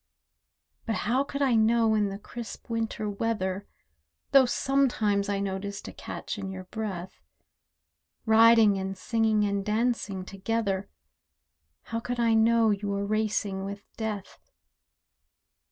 But how could I know in the crisp winter weather (Though sometimes I noticed a catch in your breath), Riding and singing and dancing together, How could I know you were racing with death?